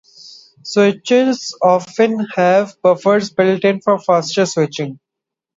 Switches often have buffers built-in for faster switching.